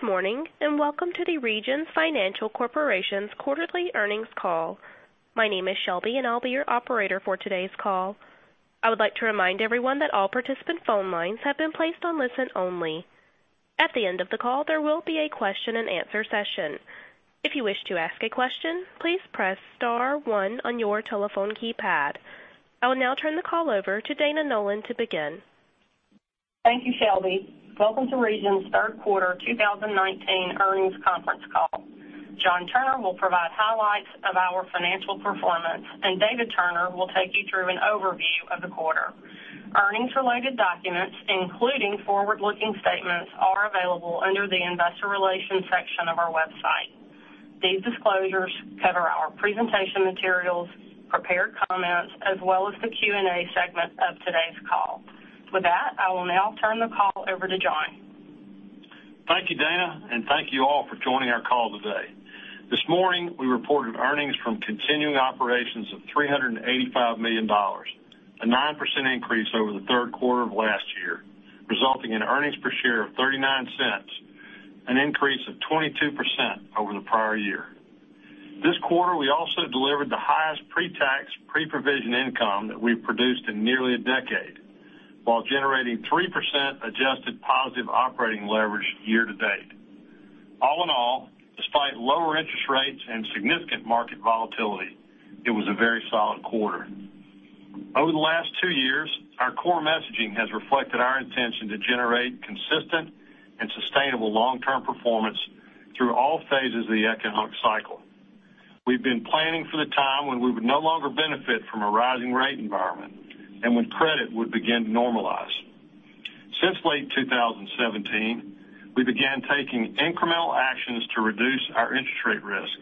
Good morning, and welcome to the Regions Financial Corporation's quarterly earnings call. My name is Shelby, and I'll be your operator for today's call. I would like to remind everyone that all participant phone lines have been placed on listen only. At the end of the call, there will be a question and answer session. If you wish to ask a question, please press star one on your telephone keypad. I will now turn the call over to Dana Nolan to begin. Thank you, Shelby. Welcome to Regions' third quarter 2019 earnings conference call. John Turner will provide highlights of our financial performance, and David Turner will take you through an overview of the quarter. Earnings related documents, including forward-looking statements, are available under the Investor Relations section of our website. These disclosures cover our presentation materials, prepared comments, as well as the Q&A segment of today's call. With that, I will now turn the call over to John. Thank you, Dana, and thank you all for joining our call today. This morning, we reported earnings from continuing operations of $385 million, a 9% increase over the third quarter of last year, resulting in earnings per share of $0.39, an increase of 22% over the prior year. This quarter, we also delivered the highest pre-tax, pre-provision income that we've produced in nearly a decade while generating 3% adjusted positive operating leverage year to date. All in all, despite lower interest rates and significant market volatility, it was a very solid quarter. Over the last two years, our core messaging has reflected our intention to generate consistent and sustainable long-term performance through all phases of the economic cycle. We've been planning for the time when we would no longer benefit from a rising rate environment and when credit would begin to normalize. Since late 2017, we began taking incremental actions to reduce our interest rate risk,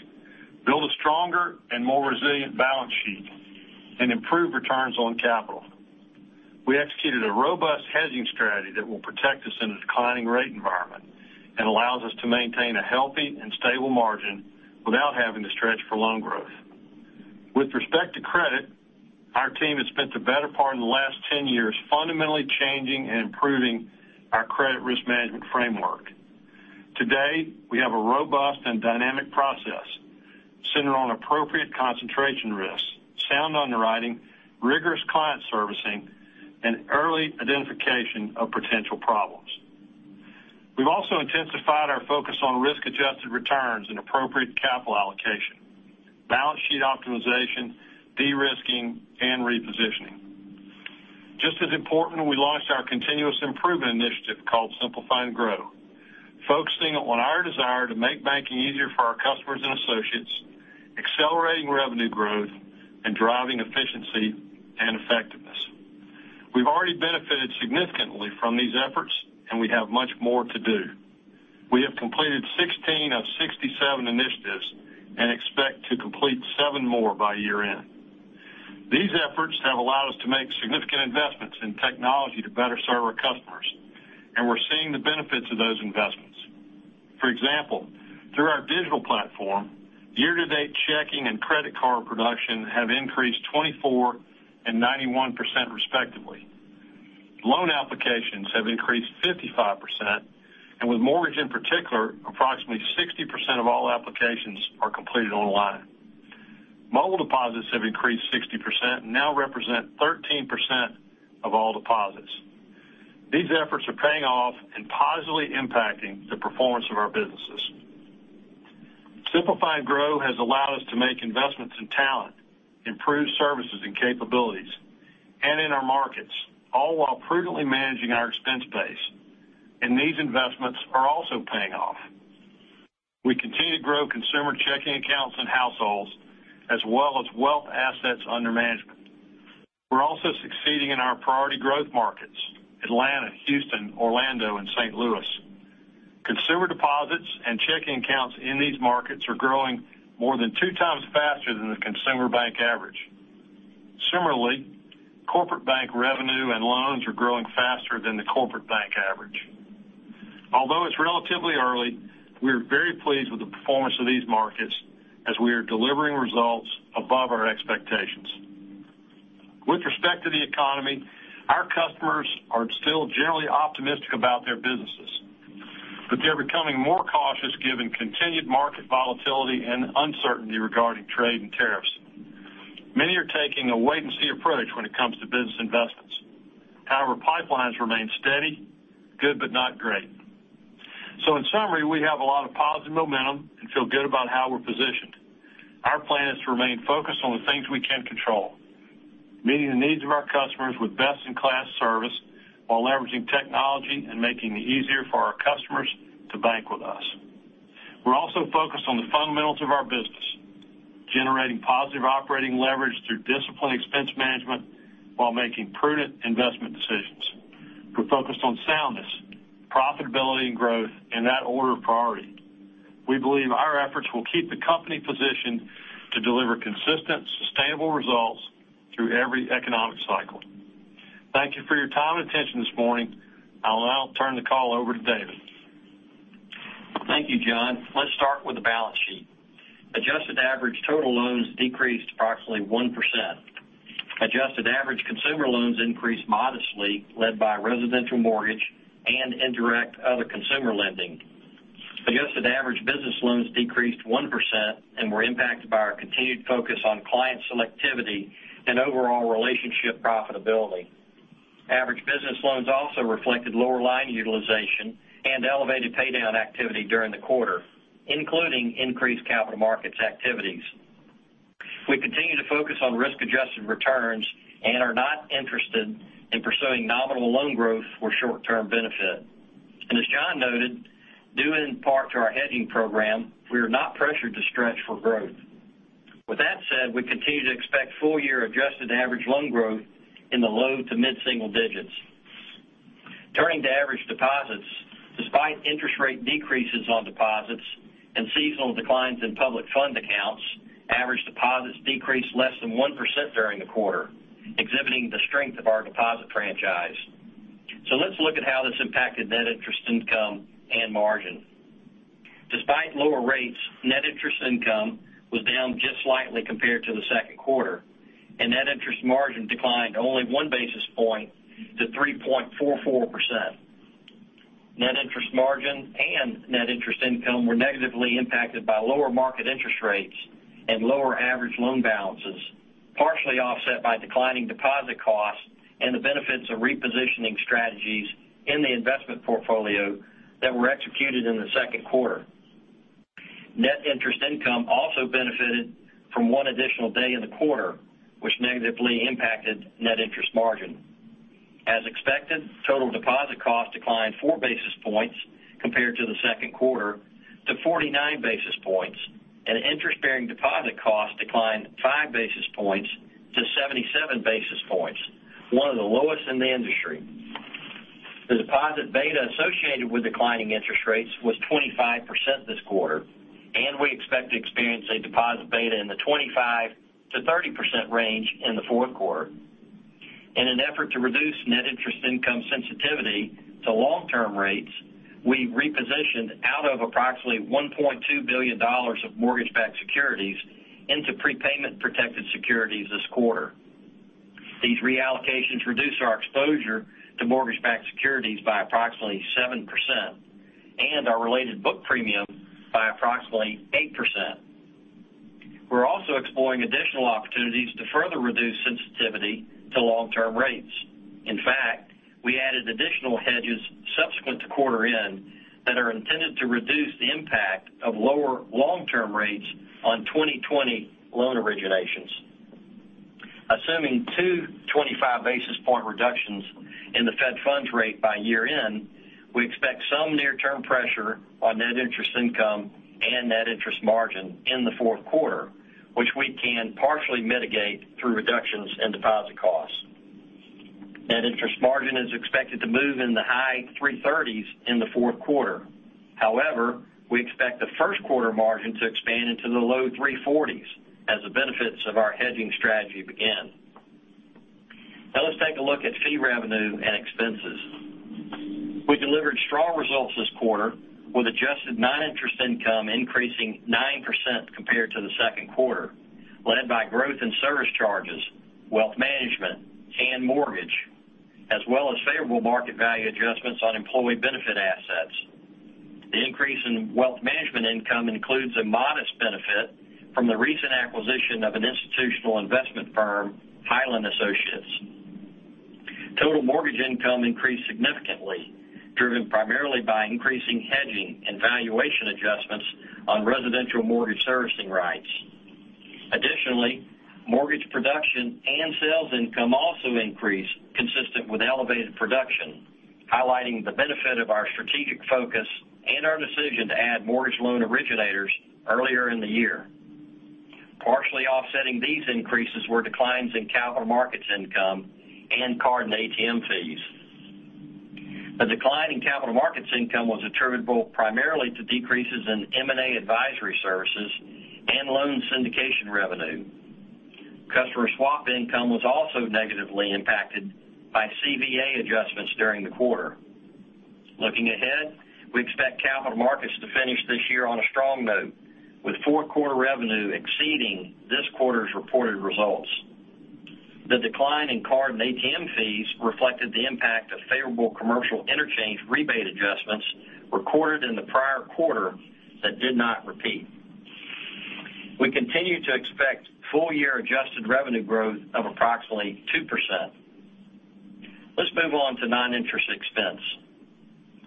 build a stronger and more resilient balance sheet, and improve returns on capital. We executed a robust hedging strategy that will protect us in a declining rate environment and allows us to maintain a healthy and stable margin without having to stretch for loan growth. With respect to credit, our team has spent the better part of the last 10 years fundamentally changing and improving our credit risk management framework. Today, we have a robust and dynamic process centered on appropriate concentration risks, sound underwriting, rigorous client servicing, and early identification of potential problems. We've also intensified our focus on risk-adjusted returns and appropriate capital allocation, balance sheet optimization, de-risking, and repositioning. Just as important, we launched our continuous improvement initiative called Simplify and Grow, focusing on our desire to make banking easier for our customers and associates, accelerating revenue growth, and driving efficiency and effectiveness. We've already benefited significantly from these efforts, and we have much more to do. We have completed 16 of 67 initiatives and expect to complete seven more by year-end. These efforts have allowed us to make significant investments in technology to better serve our customers, and we're seeing the benefits of those investments. For example, through our digital platform, year to date checking and credit card production have increased 24% and 91% respectively. Loan applications have increased 55%, and with mortgage in particular, approximately 60% of all applications are completed online. Mobile deposits have increased 60% and now represent 13% of all deposits. These efforts are paying off and positively impacting the performance of our businesses. Simplify and Grow has allowed us to make investments in talent, improve services and capabilities, and in our markets, all while prudently managing our expense base. These investments are also paying off. We continue to grow consumer checking accounts and households, as well as wealth assets under management. We're also succeeding in our priority growth markets, Atlanta, Houston, Orlando, and St. Louis. Consumer deposits and checking accounts in these markets are growing more than two times faster than the consumer bank average. Similarly, corporate bank revenue and loans are growing faster than the corporate bank average. Although it's relatively early, we're very pleased with the performance of these markets as we are delivering results above our expectations. With respect to the economy, our customers are still generally optimistic about their businesses, but they're becoming more cautious given continued market volatility and uncertainty regarding trade and tariffs. Many are taking a wait and see approach when it comes to business investments. Pipelines remain steady, good, but not great. In summary, we have a lot of positive momentum and feel good about how we're positioned. Our plan is to remain focused on the things we can control, meeting the needs of our customers with best-in-class service while leveraging technology and making it easier for our customers to bank with us. We're also focused on the fundamentals of our business, generating positive operating leverage through disciplined expense management while making prudent investment decisions. We're focused on soundness, profitability, and growth in that order of priority. We believe our efforts will keep the company positioned to deliver consistent, sustainable results through every economic cycle. Thank you for your time and attention this morning. I'll now turn the call over to David. Thank you, John. Average total loans decreased approximately 1%. Adjusted average consumer loans increased modestly, led by residential mortgage and indirect other consumer lending. Adjusted average business loans decreased 1% and were impacted by our continued focus on client selectivity and overall relationship profitability. Average business loans also reflected lower line utilization and elevated paydown activity during the quarter, including increased capital markets activities. We continue to focus on risk-adjusted returns and are not interested in pursuing nominal loan growth for short-term benefit. As John noted, due in part to our hedging program, we are not pressured to stretch for growth. With that said, we continue to expect full-year adjusted average loan growth in the low to mid-single digits. Turning to average deposits, despite interest rate decreases on deposits and seasonal declines in public fund accounts, average deposits decreased less than 1% during the quarter, exhibiting the strength of our deposit franchise. Let's look at how this impacted net interest income and margin. Despite lower rates, net interest income was down just slightly compared to the second quarter, and net interest margin declined only one basis point to 3.44%. Net interest margin and net interest income were negatively impacted by lower market interest rates and lower average loan balances, partially offset by declining deposit costs and the benefits of repositioning strategies in the investment portfolio that were executed in the second quarter. Net interest income also benefited from one additional day in the quarter, which negatively impacted net interest margin. As expected, total deposit cost declined four basis points compared to the second quarter to 49 basis points, and interest-bearing deposit cost declined five basis points to 77 basis points, one of the lowest in the industry. The deposit beta associated with declining interest rates was 25% this quarter, and we expect to experience a deposit beta in the 25%-30% range in the fourth quarter. In an effort to reduce net interest income sensitivity to long-term rates, we repositioned out of approximately $1.2 billion of mortgage-backed securities into prepayment-protected securities this quarter. These reallocations reduce our exposure to mortgage-backed securities by approximately 7% and our related book premium by approximately 8%. We're also exploring additional opportunities to further reduce sensitivity to long-term rates. In fact, we added additional hedges subsequent to quarter end that are intended to reduce the impact of lower long-term rates on 2020 loan originations. Assuming two 25-basis point reductions in the fed funds rate by year end, we expect some near-term pressure on net interest income and net interest margin in the fourth quarter, which we can partially mitigate through reductions in deposit costs. Net interest margin is expected to move in the high 330s in the fourth quarter. We expect the first quarter margin to expand into the low 340s as the benefits of our hedging strategy begin. Let's take a look at fee revenue and expenses. We delivered strong results this quarter with adjusted non-interest income increasing 9% compared to the second quarter, led by growth in service charges, wealth management, and mortgage, as well as favorable market value adjustments on employee benefit assets. The increase in wealth management income includes a modest benefit from the recent acquisition of an institutional investment firm, Highland Associates. Total mortgage income increased significantly, driven primarily by increasing hedging and valuation adjustments on residential mortgage servicing rights. Additionally, mortgage production and sales income also increased consistent with elevated production, highlighting the benefit of our strategic focus and our decision to add mortgage loan originators earlier in the year. Partially offsetting these increases were declines in capital markets income and card and ATM fees. The decline in capital markets income was attributable primarily to decreases in M&A advisory services and loan syndication revenue. Customer swap income was also negatively impacted by CVA adjustments during the quarter. Looking ahead, we expect capital markets to finish this year on a strong note with fourth quarter revenue exceeding this quarter's reported results. The decline in card and ATM fees reflected the impact of favorable commercial interchange rebate adjustments recorded in the prior quarter that did not repeat. We continue to expect full-year adjusted revenue growth of approximately 2%. Let's move on to non-interest expense.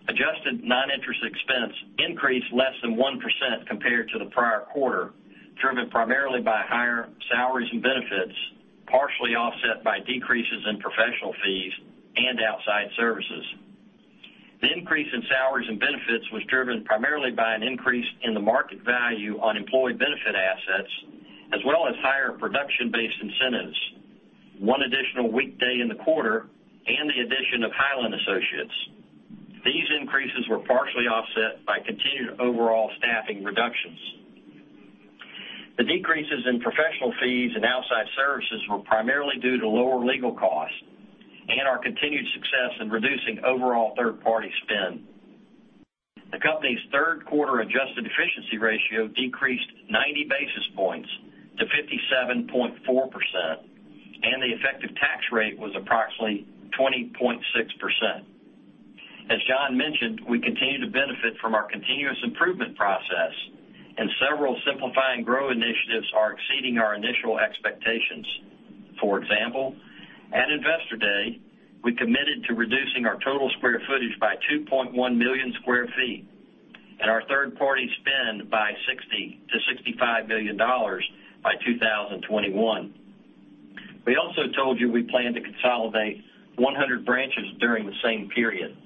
Adjusted non-interest expense increased less than 1% compared to the prior quarter, driven primarily by higher salaries and benefits, partially offset by decreases in professional fees and outside services. The increase in salaries and benefits was driven primarily by an increase in the market value on employee benefit assets, as well as higher production-based incentives, one additional weekday in the quarter, and the addition of Highland Associates. These increases were partially offset by continued overall staffing reductions. The decreases in professional fees and outside services were primarily due to lower legal costs and our continued success in reducing overall third-party spend. The company's third quarter adjusted efficiency ratio decreased 90 basis points to 57.4%, and the effective tax rate was approximately 20.6%. As John mentioned, we continue to benefit from our continuous improvement process, and several Simplify and Grow initiatives are exceeding our initial expectations. For example, at Investor Day, we committed to reducing our total square feet by 2.1 million square feet and our third-party spend by $60 million-$65 million by 2021. We also told you we plan to consolidate 100 branches during the same period.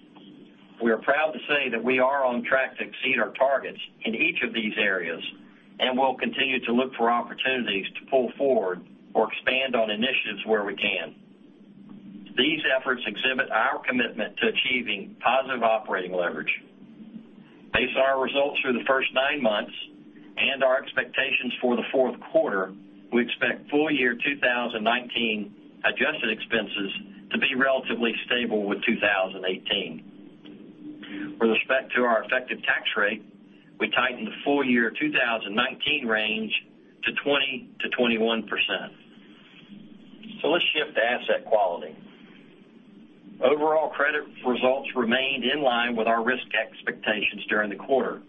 We are proud to say that we are on track to exceed our targets in each of these areas, and we'll continue to look for opportunities to pull forward or expand on initiatives where we can. These efforts exhibit our commitment to achieving positive operating leverage. Based on our results through the first nine months and our expectations for the fourth quarter, we expect full-year 2019 adjusted expenses to be relatively stable with 2018. With respect to our effective tax rate, we tightened the full-year 2019 range to 20%-21%. Let's shift to asset quality. Overall credit results remained in line with our risk expectations during the quarter.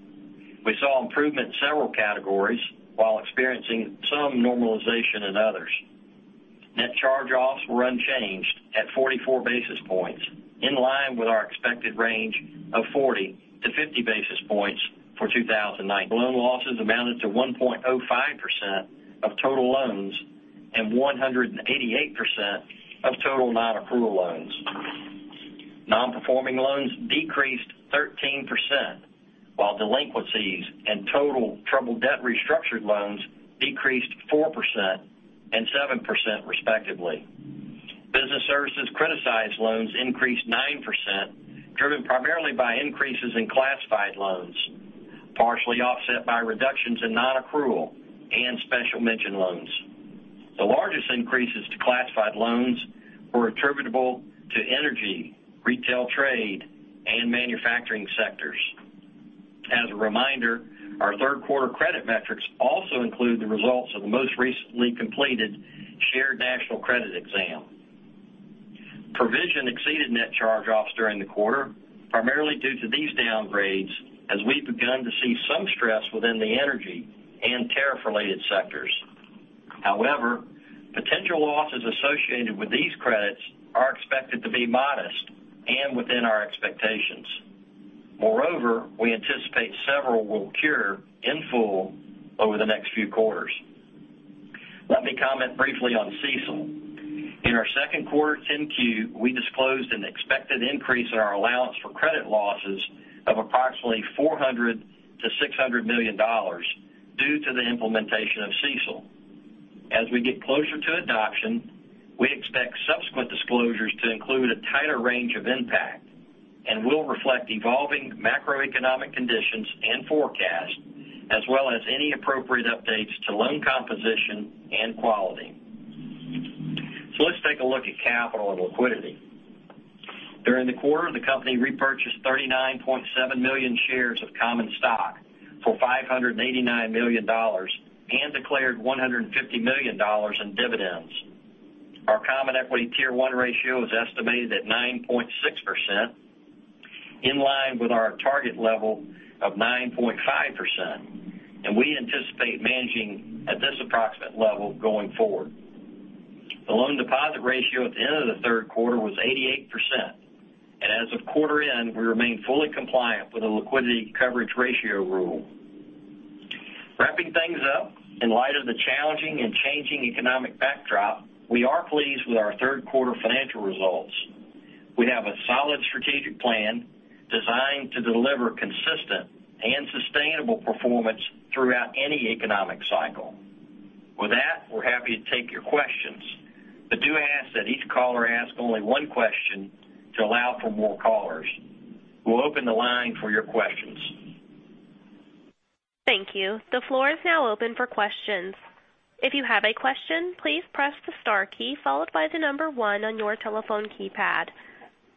We saw improvement in several categories while experiencing some normalization in others. Net charge-offs were unchanged at 44 basis points, in line with our expected range of 40-50 basis points for 2019. Loan losses amounted to 1.05% of total loans and 188% of total non-accrual loans. Non-performing loans decreased 13%, while delinquencies and total troubled debt restructured loans decreased 4% and 7%, respectively. Business services criticized loans increased 9%, driven primarily by increases in classified loans, partially offset by reductions in non-accrual and special mention loans. The largest increases to classified loans were attributable to energy, retail trade, and manufacturing sectors. As a reminder, our third quarter credit metrics also include the results of the most recently completed Shared National Credit exam. Provision exceeded net charge-offs during the quarter, primarily due to these downgrades, as we've begun to see some stress within the energy and tariff-related sectors. However, potential losses associated with these credits are expected to be modest and within our expectations. Moreover, we anticipate several will cure in full over the next few quarters. Let me comment briefly on CECL. In our second quarter 10-Q, we disclosed an expected increase in our allowance for credit losses of approximately $400 million-$600 million due to the implementation of CECL. As we get closer to adoption, we expect subsequent disclosures to include a tighter range of impact and will reflect evolving macroeconomic conditions and forecasts, as well as any appropriate updates to loan composition and quality. Let's take a look at capital and liquidity. During the quarter, the company repurchased 39.7 million shares of common stock for $589 million and declared $150 million in dividends. Our common equity Tier 1 ratio is estimated at 9.6%, in line with our target level of 9.5%, and we anticipate managing at this approximate level going forward. The loan deposit ratio at the end of the third quarter was 88%, and as of quarter end, we remain fully compliant with the Liquidity Coverage Ratio rule. Wrapping things up, in light of the challenging and changing economic backdrop, we are pleased with our third quarter financial results. We have a solid strategic plan designed to deliver consistent and sustainable performance throughout any economic cycle. With that, we're happy to take your questions. Do ask that each caller ask only one question to allow for more callers. We'll open the line for your questions. Thank you. The floor is now open for questions. If you have a question, please press the star key followed by the number one on your telephone keypad.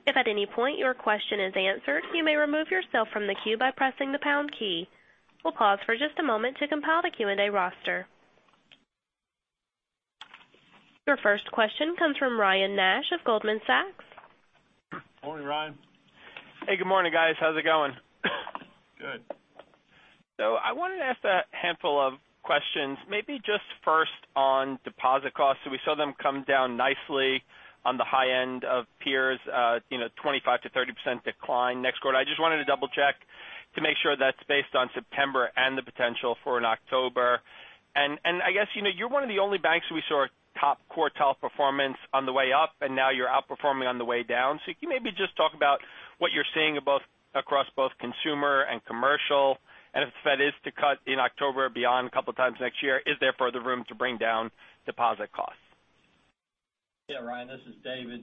If at any point your question is answered, you may remove yourself from the queue by pressing the pound key. We'll pause for just a moment to compile the Q&A roster. Your first question comes from Ryan Nash of Goldman Sachs. Morning, Ryan. Hey, good morning, guys. How's it going? Good. I wanted to ask a handful of questions, maybe just first on deposit costs. We saw them come down nicely on the high end of peers, 25%-30% decline next quarter. I just wanted to double-check to make sure that's based on September and the potential for in October. I guess you're one of the only banks we saw top quartile performance on the way up, and now you're outperforming on the way down. Can you maybe just talk about what you're seeing across both consumer and commercial? If the Fed is to cut in October beyond a couple of times next year, is there further room to bring down deposit costs? Yeah, Ryan, this is David.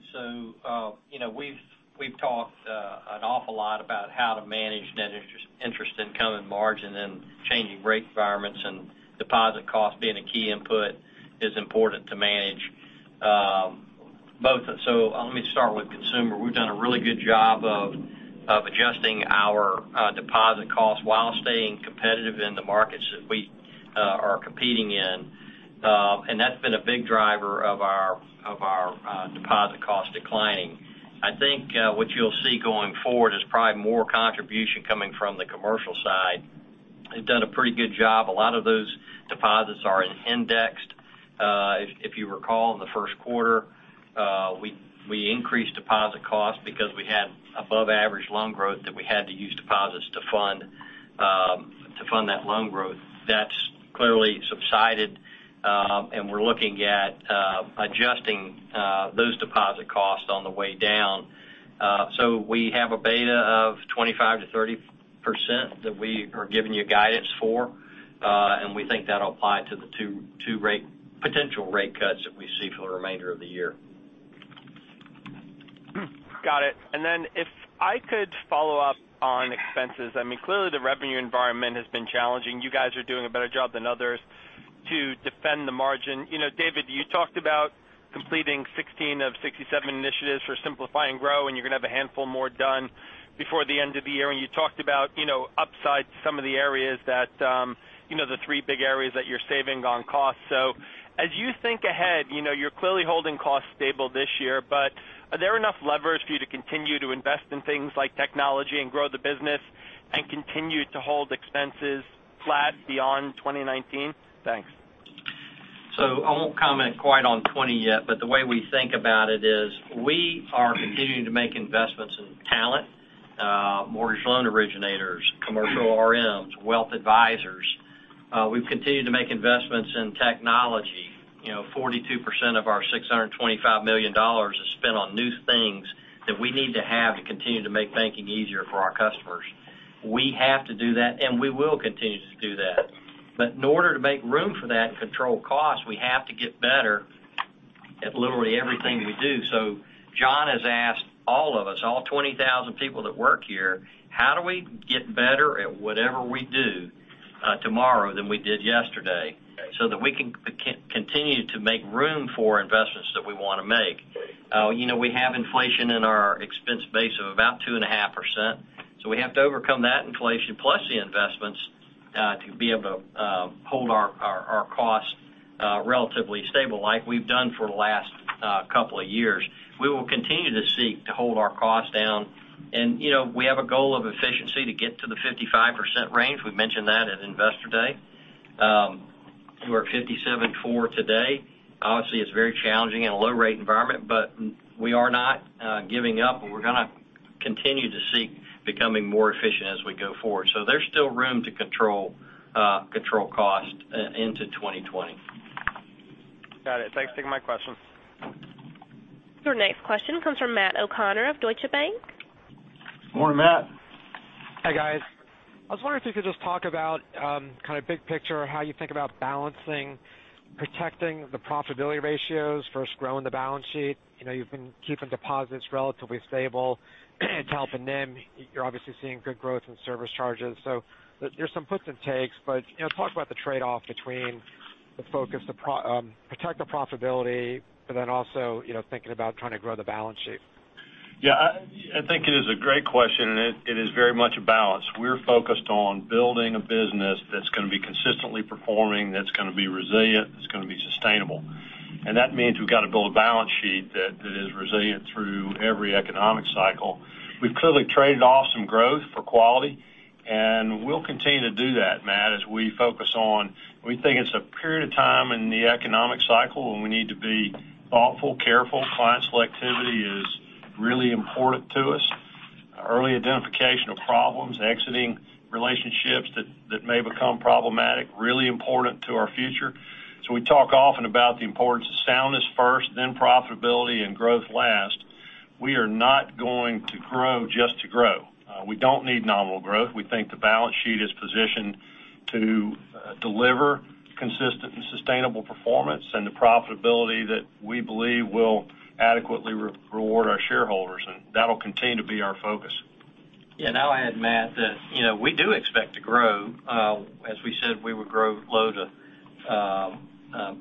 We've talked an awful lot about how to manage net interest income and margin and changing rate environments and deposit cost being a key input is important to manage. Let me start with consumer. We've done a really good job of adjusting our deposit costs while staying competitive in the markets that we are competing in. That's been a big driver of our deposit cost declining. I think what you'll see going forward is probably more contribution coming from the commercial side. We've done a pretty good job. A lot of those deposits are in indexed. If you recall, in the first quarter, we increased deposit costs because we had above average loan growth that we had to use deposits to fund that loan growth. That's clearly subsided. We're looking at adjusting those deposit costs on the way down. We have a beta of 25%-30% that we are giving you guidance for. We think that'll apply to the two potential rate cuts that we see for the remainder of the year. Got it. If I could follow up on expenses, clearly the revenue environment has been challenging. You guys are doing a better job than others to defend the margin. David, you talked about completing 16 of 67 initiatives for Simplify and Grow, and you're going to have a handful more done before the end of the year. You talked about upside to some of the areas, the three big areas that you're saving on cost. As you think ahead, you're clearly holding costs stable this year, but are there enough levers for you to continue to invest in things like technology and grow the business and continue to hold expenses flat beyond 2019? Thanks. I won't comment quite on 2020 yet, but the way we think about it is we are continuing to make investments in talent, mortgage loan originators, commercial RMs, wealth advisors. We've continued to make investments in technology. 42% of our $625 million is spent on new things that we need to have to continue to make banking easier for our customers. We have to do that, and we will continue to do that. In order to make room for that and control costs, we have to get better at literally everything we do. John has asked all of us, all 20,000 people that work here, how do we get better at whatever we do tomorrow than we did yesterday, so that we can continue to make room for investments that we want to make? We have inflation in our expense base of about 2.5%. We have to overcome that inflation plus the investments to be able to hold our costs relatively stable like we've done for the last couple of years. We will continue to seek to hold our costs down. We have a goal of efficiency to get to the 55% range. We've mentioned that at Investor Day. We're at 57.4 today. Obviously, it's very challenging in a low rate environment, but we are not giving up and we're going to continue to seek becoming more efficient as we go forward. There's still room to control cost into 2020. Got it. Thanks. Taking my questions. Your next question comes from Matthew O'Connor of Deutsche Bank. Morning, Matt. Hi, guys. I was wondering if you could just talk about kind of big picture, how you think about balancing protecting the profitability ratios versus growing the balance sheet. You've been keeping deposits relatively stable to help the NIM. You're obviously seeing good growth in service charges. There's some puts and takes, but talk about the trade-off between the focus to protect the profitability but then also thinking about trying to grow the balance sheet. Yeah, I think it is a great question, and it is very much a balance. We're focused on building a business that's going to be consistently performing, that's going to be resilient, that's going to be sustainable. That means we've got to build a balance sheet that is resilient through every economic cycle. We've clearly traded off some growth for quality, and we'll continue to do that, Matt. We think it's a period of time in the economic cycle when we need to be thoughtful, careful. Client selectivity is really important to us. Early identification of problems, exiting relationships that may become problematic, really important to our future. We talk often about the importance of soundness first, then profitability, and growth last. We are not going to grow just to grow. We don't need nominal growth. We think the balance sheet is positioned to deliver consistent and sustainable performance and the profitability that we believe will adequately reward our shareholders. That'll continue to be our focus. Yeah, I'll add, Matt, that we do expect to grow. As we said, we would grow low to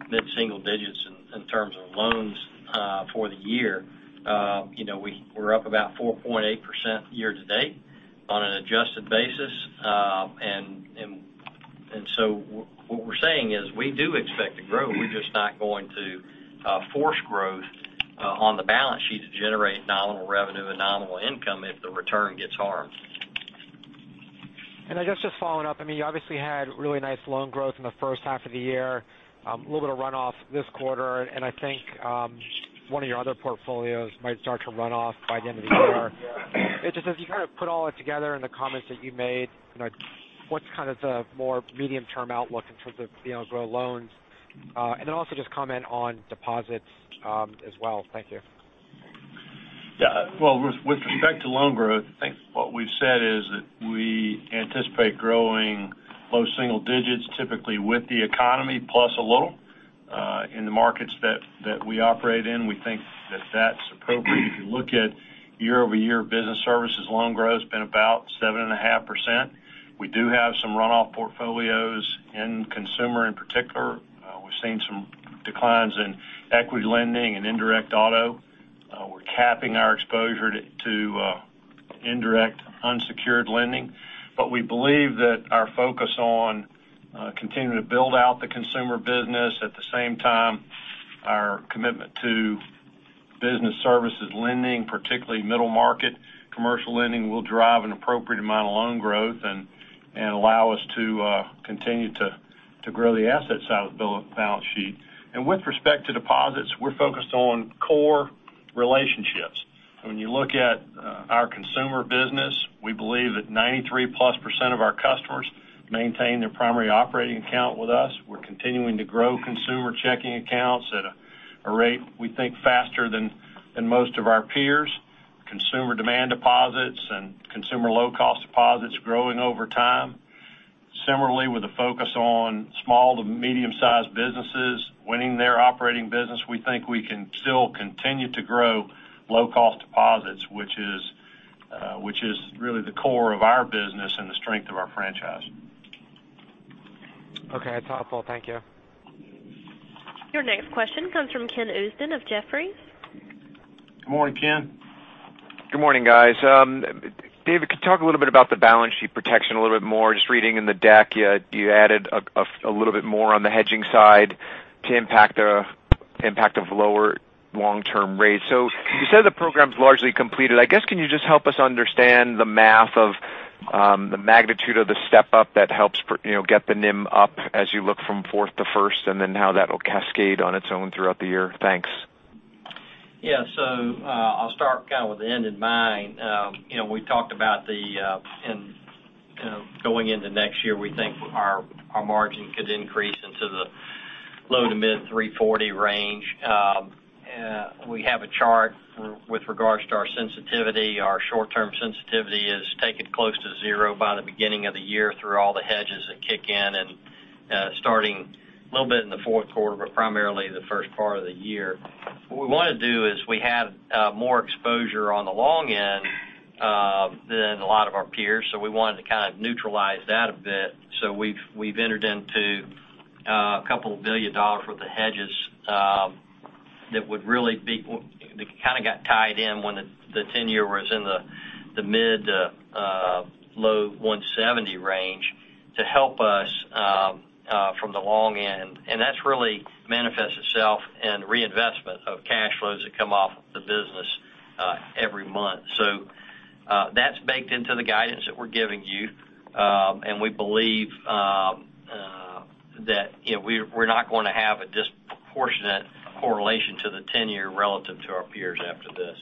mid-single digits in terms of loans for the year. We're up about 4.8% year-to-date on an adjusted basis. What we're saying is we do expect to grow. We're just not going to force growth on the balance sheet to generate nominal revenue and nominal income if the return gets harmed. I guess just following up, you obviously had really nice loan growth in the first half of the year. A little bit of runoff this quarter, and I think one of your other portfolios might start to run off by the end of the year. Yeah. Just as you kind of put all it together in the comments that you made, what's kind of the more medium-term outlook in terms of grow loans? Also just comment on deposits as well. Thank you. Yeah. Well, with respect to loan growth, I think what we've said is that we anticipate growing low single digits, typically with the economy plus a little in the markets that we operate in. We think that that's appropriate. If you look at year-over-year business services, loan growth has been about 7.5%. We do have some runoff portfolios in consumer in particular. We've seen some declines in equity lending and indirect auto. We're capping our exposure to indirect unsecured lending. We believe that our focus on continuing to build out the consumer business, at the same time, our commitment to business services lending, particularly middle market commercial lending, will drive an appropriate amount of loan growth and allow us to continue to grow the asset side of the balance sheet. With respect to deposits, we're focused on core relationships. When you look at our consumer business, we believe that 93-plus% of our customers maintain their primary operating account with us. We're continuing to grow consumer checking accounts at a rate we think faster than most of our peers. Consumer demand deposits and consumer low-cost deposits growing over time. Similarly, with a focus on small to medium-sized businesses, winning their operating business, we think we can still continue to grow low-cost deposits, which is really the core of our business and the strength of our franchise. Okay, that's helpful. Thank you. Your next question comes from Ken Usdin of Jefferies. Good morning, Ken. Good morning, guys. David, could you talk a little bit about the balance sheet protection a little bit more? Just reading in the deck, you added a little bit more on the hedging side to impact the lower long-term rates. You said the program's largely completed. I guess, can you just help us understand the math of the magnitude of the step-up that helps get the NIM up as you look from fourth to first, and then how that'll cascade on its own throughout the year? Thanks. Yeah. I'll start kind of with the end in mind. We talked about going into next year, we think our margin could increase into the low to mid 340 range. We have a chart with regards to our sensitivity. Our short-term sensitivity is taken close to zero by the beginning of the year through all the hedges that kick in and starting a little bit in the fourth quarter, but primarily the first part of the year. What we want to do is we have more exposure on the long end than a lot of our peers, we wanted to kind of neutralize that a bit. We've entered into a couple billion dollars worth of hedges that kind of got tied in when the 10-year was in the mid to low 170 range to help us from the long end. That's really manifests itself in reinvestment of cash flows that come off the business every month. That's baked into the guidance that we're giving you. We believe that we're not going to have a disproportionate correlation to the tenure relative to our peers after this.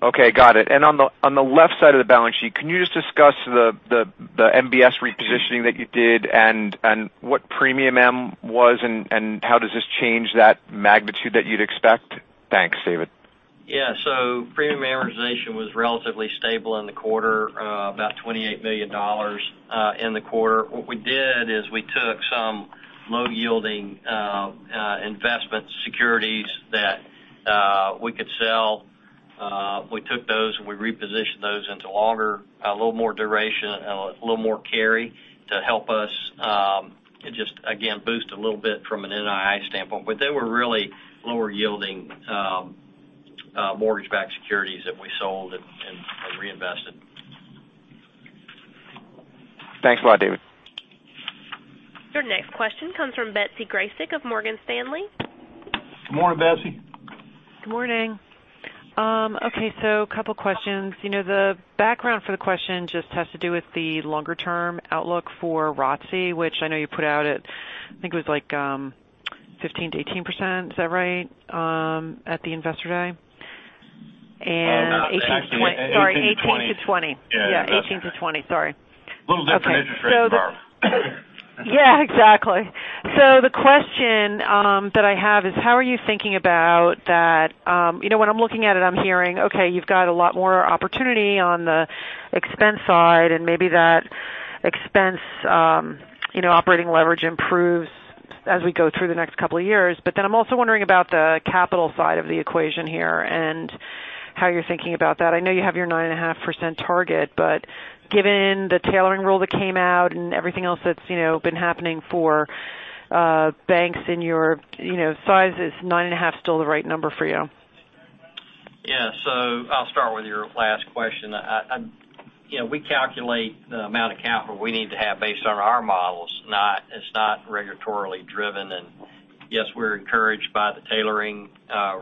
Okay. Got it. On the left side of the balance sheet, can you just discuss the MBS repositioning that you did and what premium am was and how does this change that magnitude that you'd expect? Thanks, David. Yeah. Premium amortization was relatively stable in the quarter, about $28 million in the quarter. What we did is we took some low-yielding investment securities that we could sell. We took those, and we repositioned those into longer, a little more duration, a little more carry to help us just again, boost a little bit from an NII standpoint. They were really lower yielding mortgage-backed securities that we sold and reinvested. Thanks a lot, David. Your next question comes from Betsy Graseck of Morgan Stanley. Good morning, Betsy. Good morning. A couple questions. The background for the question just has to do with the longer-term outlook for ROTCE, which I know you put out at, I think it was like 15%-18%, is that right, at the Investor Day? No. Sorry, 18 to 20. Yeah. Yeah, 18-20. Sorry. Little different than interest rates are. Yeah, exactly. The question that I have is how are you thinking about that. When I'm looking at it, I'm hearing, okay, you've got a lot more opportunity on the expense side, and maybe that expense operating leverage improves as we go through the next couple of years. I'm also wondering about the capital side of the equation here and how you're thinking about that. I know you have your 9.5% target, given the tailoring rule that came out and everything else that's been happening for banks in your sizes, is 9.5% still the right number for you? Yeah. I'll start with your last question. We calculate the amount of capital we need to have based on our models. It's not regulatorily driven. Yes, we're encouraged by the tailoring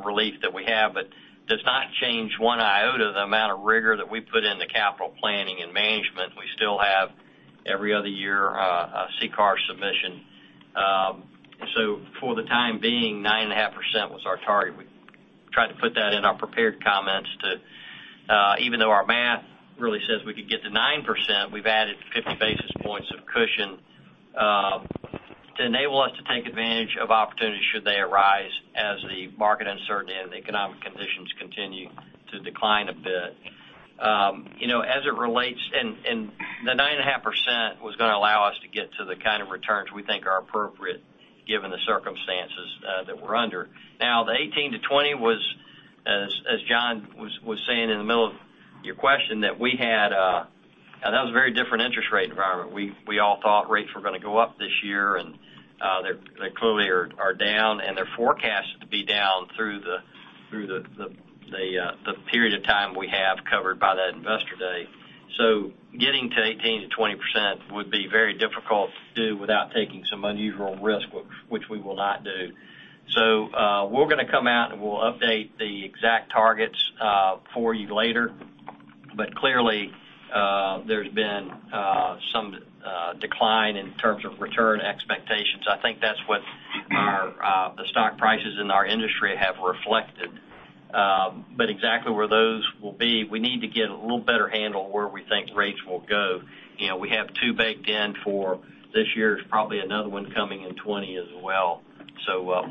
relief that we have, but does not change one iota the amount of rigor that we put in the capital planning and management. We still have, every other year, a CCAR submission. For the time being, 9.5% was our target. We tried to put that in our prepared comments even though our math really says we could get to 9%, we've added 50 basis points of cushion to enable us to take advantage of opportunities should they arise as the market uncertainty and the economic conditions continue to decline a bit. The 9.5% was going to allow us to get to the kind of returns we think are appropriate given the circumstances that we're under. The 18-20 As John was saying in the middle of your question, that we had a very different interest rate environment. We all thought rates were going to go up this year, and they clearly are down, and they're forecasted to be down through the period of time we have covered by that Investor Day. Getting to 18%-20% would be very difficult to do without taking some unusual risk, which we will not do. We're going to come out, and we'll update the exact targets for you later. Clearly, there's been some decline in terms of return expectations. I think that's what the stock prices in our industry have reflected. Exactly where those will be, we need to get a little better handle on where we think rates will go. We have two baked in for this year. There's probably another one coming in 2020 as well.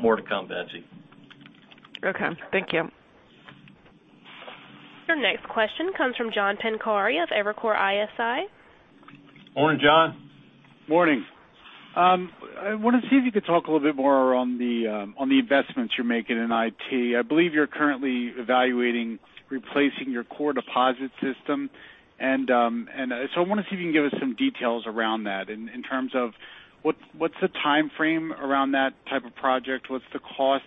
More to come, Betsy. Okay. Thank you. Your next question comes from John Pancari of Evercore ISI. Morning, John. Morning. I want to see if you could talk a little bit more on the investments you're making in IT. I believe you're currently evaluating replacing your core deposit system. What's the timeframe around that type of project? What's the cost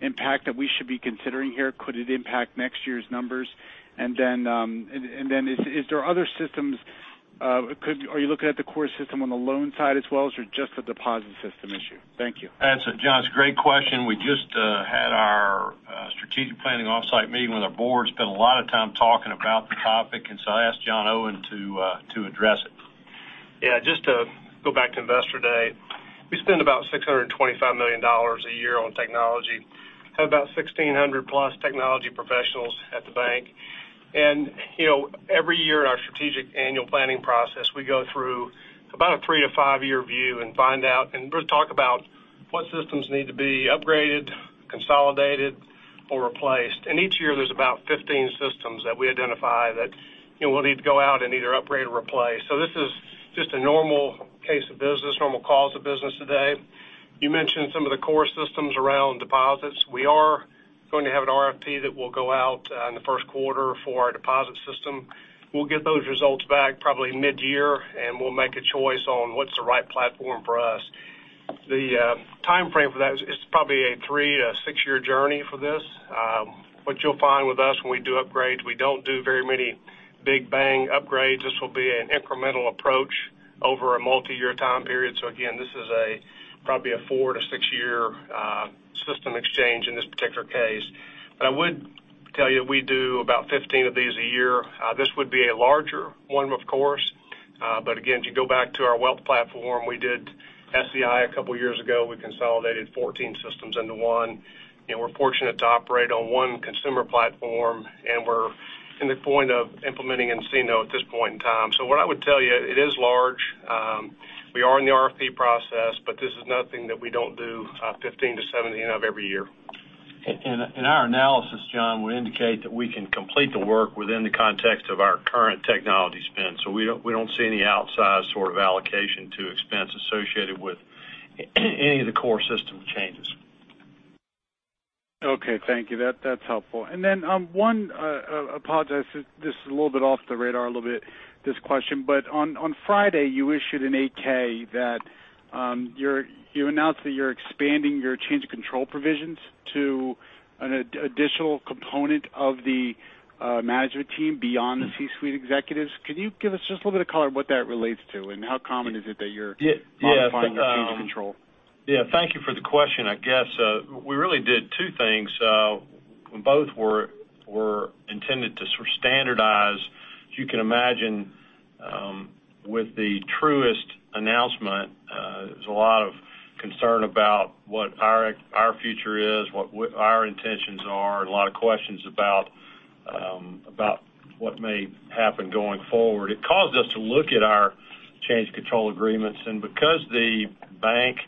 impact that we should be considering here? Could it impact next year's numbers? Is there other systems, are you looking at the core system on the loan side as well, or is there just a deposit system issue? Thank you. That's a, John, it's a great question. We just had our strategic planning off-site meeting with our board, spent a lot of time talking about the topic, and so I asked John Owen to address it. Just to go back to Investor Day, we spend about $625 million a year on technology. Have about 1,600 plus technology professionals at the bank. Every year at our strategic annual planning process, we go through about a three- to five-year view and find out, and really talk about what systems need to be upgraded, consolidated, or replaced. Each year, there's about 15 systems that we identify that we'll need to go out and either upgrade or replace. This is just a normal case of business, normal calls of business today. You mentioned some of the core systems around deposits. We are going to have an RFP that will go out in the first quarter for our deposit system. We'll get those results back probably mid-year, and we'll make a choice on what's the right platform for us. The timeframe for that, it's probably a three to six-year journey for this. What you'll find with us when we do upgrades, we don't do very many big bang upgrades. This will be an incremental approach over a multi-year time period. Again, this is probably a four to six-year system exchange in this particular case. I would tell you, we do about 15 of these a year. This would be a larger one, of course. Again, if you go back to our wealth platform, we did SEI a couple of years ago. We consolidated 14 systems into one. We're fortunate to operate on one consumer platform, and we're in the point of implementing nCino at this point in time. What I would tell you, it is large. We are in the RFP process, but this is nothing that we don't do 15-17 of every year. In our analysis, John, we indicate that we can complete the work within the context of our current technology spend. We don't see any outsized sort of allocation to expense associated with any of the core system changes. Okay. Thank you. That's helpful. Apologize, this is a little bit off the radar, this question. On Friday you issued an 8-K that you announced that you're expanding your change of control provisions to an additional component of the management team beyond the C-suite executives. Can you give us just a little bit of color what that relates to, and how common is it that you're modifying the change of control? Yeah. Thank you for the question. I guess we really did two things. Both were intended to standardize. As you can imagine, with the Truist announcement, there was a lot of concern about what our future is, what our intentions are, and a lot of questions about what may happen going forward. It caused us to look at our change of control agreements. Because the bank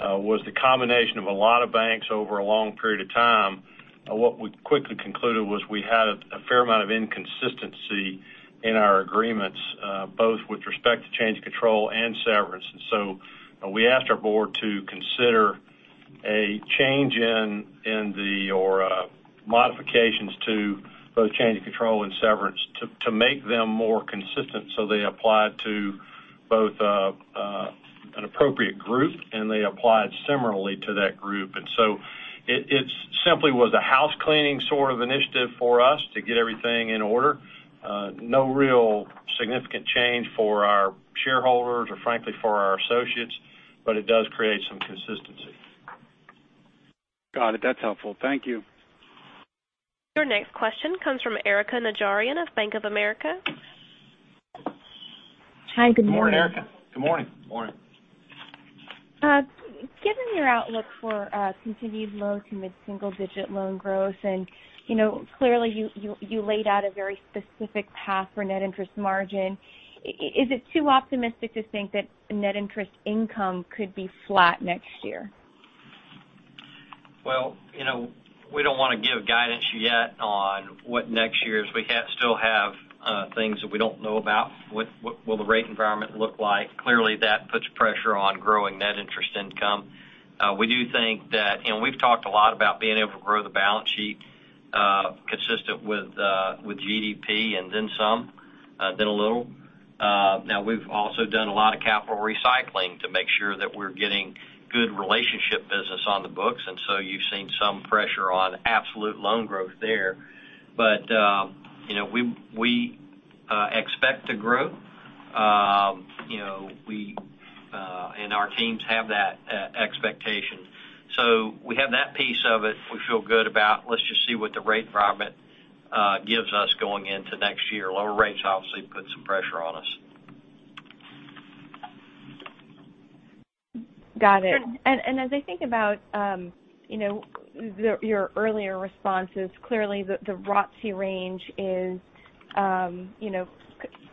was the combination of a lot of banks over a long period of time, what we quickly concluded was we had a fair amount of inconsistency in our agreements, both with respect to change of control and severance. We asked our board to consider a change in the, or modifications to both change of control and severance to make them more consistent so they applied to both an appropriate group, and they applied similarly to that group. It simply was a house cleaning sort of initiative for us to get everything in order. No real significant change for our shareholders or frankly for our associates, but it does create some consistency. Got it. That's helpful. Thank you. Your next question comes from Erika Najarian of Bank of America. Hi, good morning. Morning, Erika. Good morning. Morning. Given your outlook for continued low to mid single digit loan growth, and clearly you laid out a very specific path for net interest margin. Is it too optimistic to think that net interest income could be flat next year? Well, we don't want to give guidance yet on what next year is. We still have things that we don't know about. What will the rate environment look like? Net interest income. We do think that, and we've talked a lot about being able to grow the balance sheet consistent with GDP and then some, then a little. We've also done a lot of capital recycling to make sure that we're getting good relationship business on the books, and so you've seen some pressure on absolute loan growth there. We expect to grow, and our teams have that expectation. We have that piece of it we feel good about. Let's just see what the rate environment gives us going into next year. Lower rates obviously put some pressure on us. Got it. As I think about your earlier responses, clearly the ROTCE range is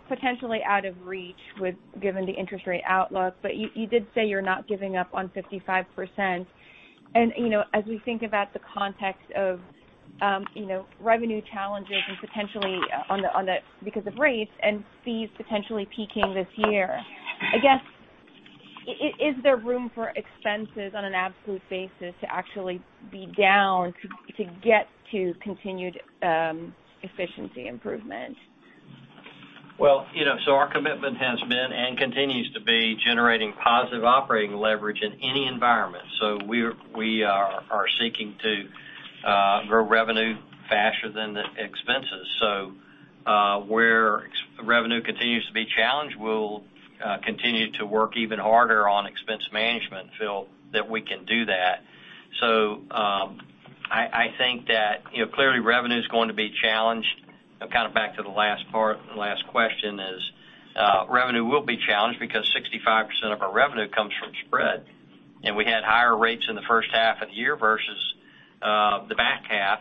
potentially out of reach given the interest rate outlook. You did say you're not giving up on 55%. As we think about the context of revenue challenges and potentially because of rates and fees potentially peaking this year, I guess, is there room for expenses on an absolute basis to actually be down to get to continued efficiency improvement? Well, our commitment has been and continues to be generating positive operating leverage in any environment. We are seeking to grow revenue faster than the expenses. Where revenue continues to be challenged, we'll continue to work even harder on expense management, feel that we can do that. I think that clearly revenue's going to be challenged. Kind of back to the last part, the last question is revenue will be challenged because 65% of our revenue comes from spread, and we had higher rates in the first half of the year versus the back half.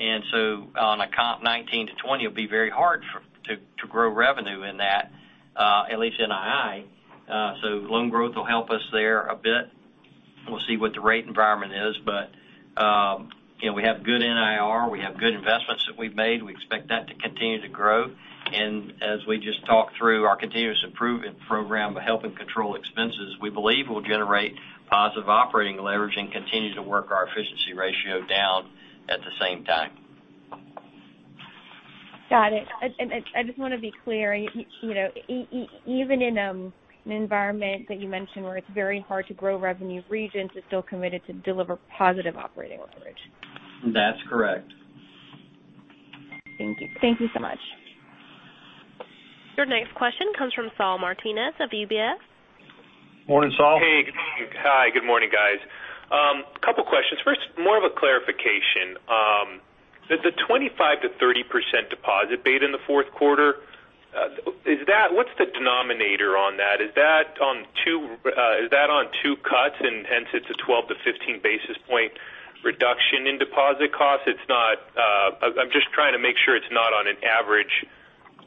On a comp 2019 to 2020, it'll be very hard to grow revenue in that, at least NII. Loan growth will help us there a bit. We'll see what the rate environment is. We have good NIR. We have good investments that we've made. We expect that to continue to grow. As we just talked through our continuous improvement program to help and control expenses, we believe we'll generate positive operating leverage and continue to work our efficiency ratio down at the same time. Got it. I just want to be clear, even in an environment that you mentioned where it's very hard to grow revenue, Regions is still committed to deliver positive operating leverage. That's correct. Thank you so much. Your next question comes from Saul Martinez of UBS. Morning, Saul. Hey, good morning, guys. Couple questions. First, more of a clarification. The 25%-30% deposit beta in the fourth quarter, what's the denominator on that? Is that on two cuts, and hence it's a 12-15 basis point reduction in deposit costs? I'm just trying to make sure it's not on an average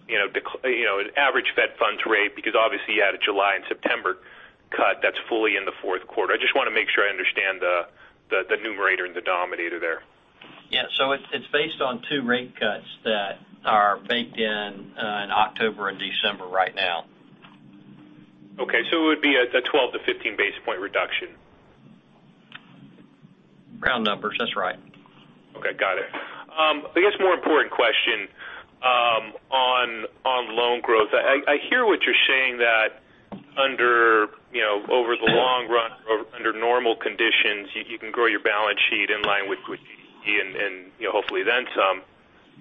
Fed Funds rate because obviously you had a July and September cut that's fully in the fourth quarter. I just want to make sure I understand the numerator and denominator there. Yeah. It's based on two rate cuts that are baked in October and December right now. Okay, it would be a 12-15 basis point reduction. Round numbers. That's right. Okay, I guess more important question on loan growth. I hear what you're saying that over the long run or under normal conditions, you can grow your balance sheet in line with GDP and hopefully then some.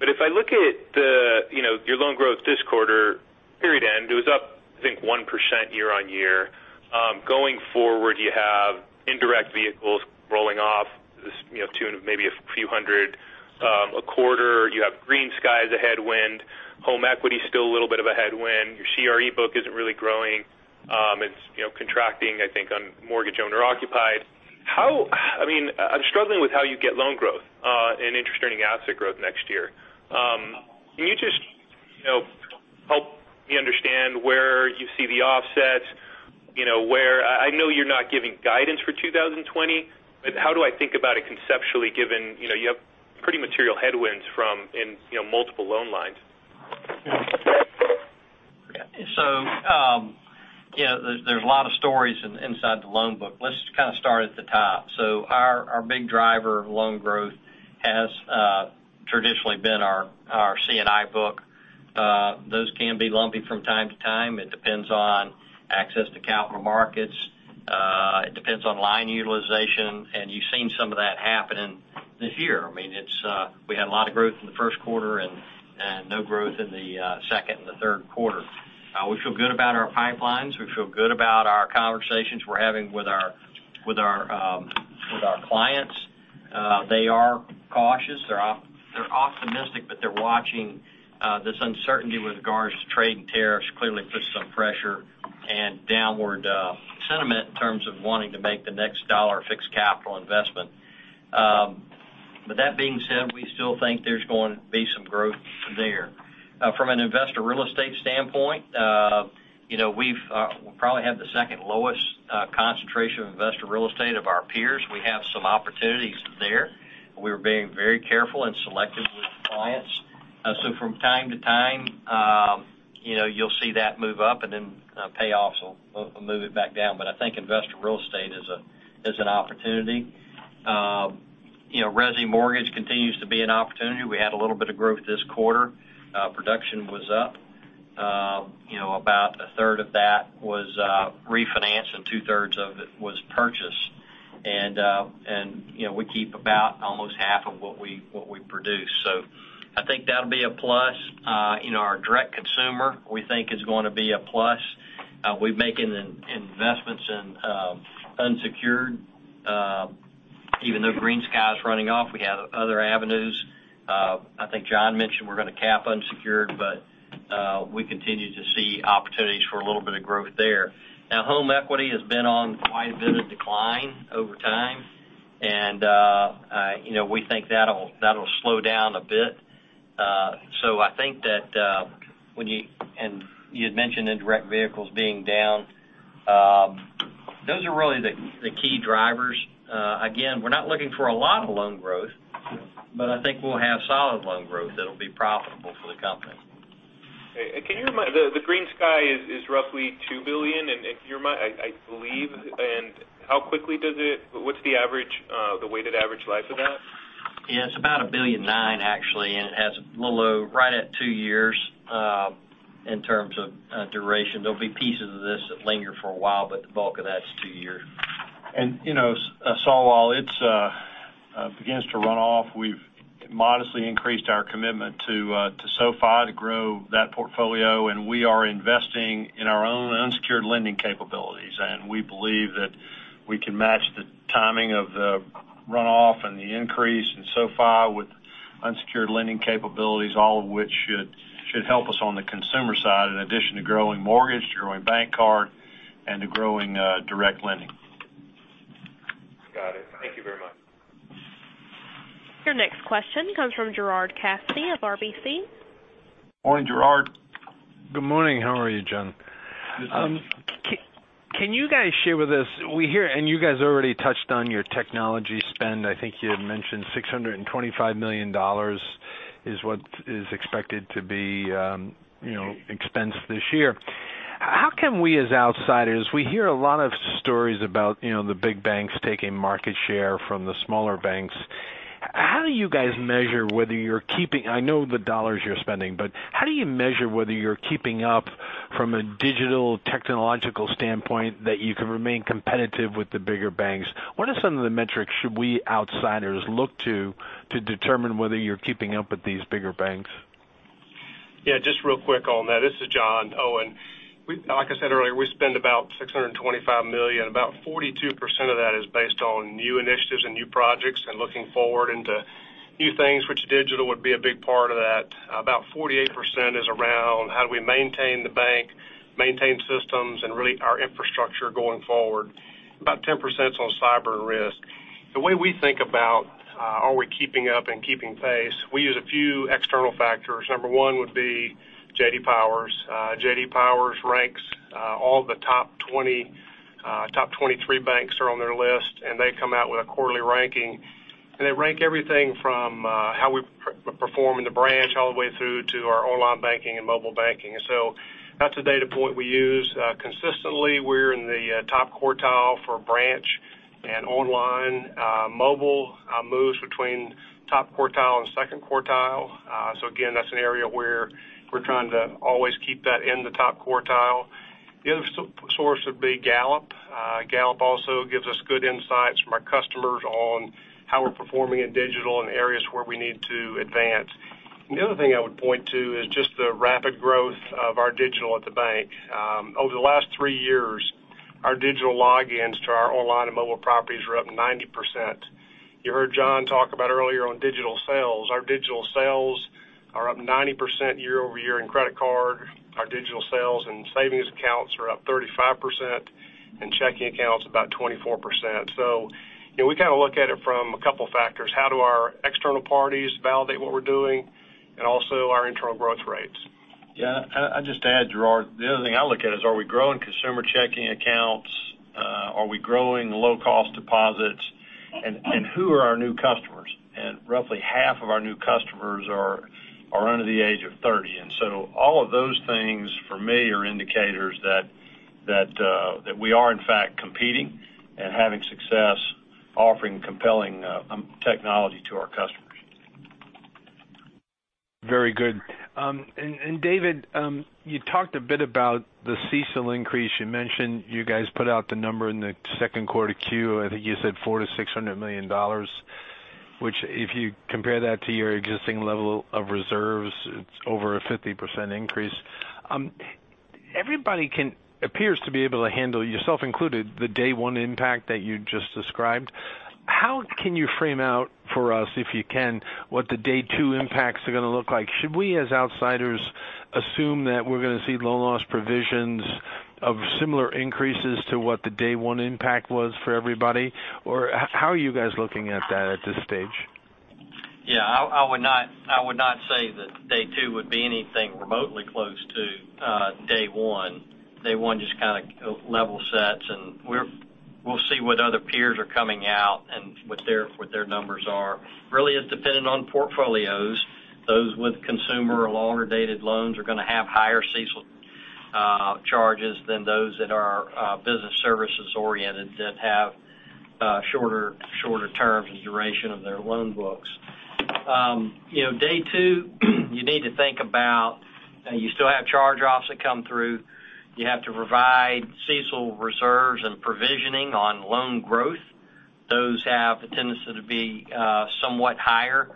If I look at your loan growth this quarter, period end, it was up, I think 1% year-on-year. Going forward, you have indirect vehicles rolling off to maybe a few hundred a quarter. You have GreenSky a headwind. Home equity is still a little bit of a headwind. Your CRE book isn't really growing. It's contracting, I think, on mortgage owner occupied. I'm struggling with how you get loan growth and interest earning asset growth next year. Can you just help me understand where you see the offsets? I know you're not giving guidance for 2020. How do I think about it conceptually given you have pretty material headwinds in multiple loan lines? There's a lot of stories inside the loan book. Let's kind of start at the top. Our big driver of loan growth has traditionally been our C&I book. Those can be lumpy from time to time. It depends on access to capital markets. It depends on line utilization. You've seen some of that happen in this year. We had a lot of growth in the first quarter and no growth in the second and the third quarter. We feel good about our pipelines. We feel good about our conversations we're having with our clients. They are cautious. They're optimistic, but they're watching this uncertainty with regards to trade and tariffs clearly puts some pressure and downward sentiment in terms of wanting to make the next dollar a fixed capital investment. That being said, we still think there's going to be some growth there. From an investor real estate standpoint, we probably have the second lowest concentration of investor real estate of our peers. We have some opportunities there. From time to time, you'll see that move up, and then payoffs will move it back down. I think investor real estate is an opportunity. Resi mortgage continues to be an opportunity. We had a little bit of growth this quarter. Production was up. About a third of that was refinance and two-thirds of it was purchase. We keep about almost half of what we produce. I think that'll be a plus. Our direct consumer, we think, is going to be a plus. We're making investments in unsecured. Even though GreenSky's running off, we have other avenues. I think John mentioned we're going to cap unsecured. We continue to see opportunities for a little bit of growth there. Home equity has been on quite a bit of decline over time. We think that'll slow down a bit. You had mentioned indirect vehicles being down. Those are really the key drivers. Again, we're not looking for a lot of loan growth. I think we'll have solid loan growth that'll be profitable for the company. The GreenSky is roughly $2 billion, I believe. How quickly what's the weighted average life of that? Yeah, it's about $1.9 billion, actually, and it has a little right at two years in terms of duration. There'll be pieces of this that linger for a while, but the bulk of that is two years. Saul, it begins to run off. We've modestly increased our commitment to SoFi to grow that portfolio, and we are investing in our own unsecured lending capabilities. We believe that we can match the timing of the runoff and the increase in SoFi with unsecured lending capabilities, all of which should help us on the consumer side, in addition to growing mortgage, to growing bank card, and to growing direct lending. Got it. Thank you very much. Your next question comes from Gerard Cassidy of RBC. Morning, Gerard. Good morning. How are you, John? Good. Can you guys share with us, we hear, and you guys already touched on your technology spend, I think you had mentioned $625 million is what is expected to be expensed this year. How can we, as outsiders, we hear a lot of stories about the big banks taking market share from the smaller banks. I know the dollars you're spending, but how do you measure whether you're keeping up from a digital technological standpoint that you can remain competitive with the bigger banks? What are some of the metrics should we outsiders look to determine whether you're keeping up with these bigger banks? Just real quick on that. This is John Owen. Like I said earlier, we spend about $625 million. About 42% of that is based on new initiatives and new projects and looking forward into new things, which digital would be a big part of that. About 48% is around how do we maintain the bank, maintain systems, and really our infrastructure going forward. About 10% is on cyber and risk. The way we think about, are we keeping up and keeping pace, we use a few external factors. Number one would be J.D. Power. J.D. Power ranks all the top 23 banks are on their list, and they come out with a quarterly ranking, and they rank everything from how we perform in the branch, all the way through to our online banking and mobile banking. That's a data point we use. Consistently, we're in the top quartile for branch and online. Mobile moves between top quartile and second quartile. Again, that's an area where we're trying to always keep that in the top quartile. The other source would be Gallup. Gallup also gives us good insights from our customers on how we're performing in digital and areas where we need to advance. The other thing I would point to is just the rapid growth of our digital at the bank. Over the last three years, our digital logins to our online and mobile properties are up 90%. You heard John talk about earlier on digital sales. Our digital sales are up 90% year-over-year in credit card. Our digital sales and savings accounts are up 35%, and checking accounts about 24%. We look at it from a couple factors. How do our external parties validate what we're doing, and also our internal growth rates. I'd just add, Gerard, the other thing I look at is, are we growing consumer checking accounts? Are we growing low-cost deposits? Who are our new customers? Roughly half of our new customers are under the age of 30. All of those things for me are indicators that we are in fact competing and having success offering compelling technology to our customers. Very good. David, you talked a bit about the CECL increase. You mentioned you guys put out the number in the second quarter Q. I think you said $400 million to $600 million, which if you compare that to your existing level of reserves, it's over a 50% increase. Everybody appears to be able to handle, yourself included, the day one impact that you just described. How can you frame out for us, if you can, what the day two impacts are going to look like? Should we, as outsiders, assume that we're going to see loan loss provisions of similar increases to what the day one impact was for everybody? How are you guys looking at that at this stage? Yeah, I would not say that day two would be anything remotely close to day one. Day one just kind of level sets, and we'll see what other peers are coming out and what their numbers are. Really, it's dependent on portfolios. Those with consumer or longer-dated loans are going to have higher CECL charges than those that are business services oriented that have shorter terms and duration of their loan books. Day two, you need to think about, you still have charge-offs that come through. You have to provide CECL reserves and provisioning on loan growth. Those have a tendency to be somewhat higher